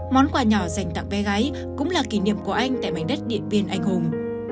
món quà nhỏ dành tặng bé gái cũng là kỷ niệm của anh tại mảnh đất điện biên anh hùng